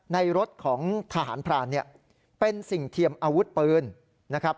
ในรถของทหารพรานเนี่ยเป็นสิ่งเทียมอาวุธปืนนะครับ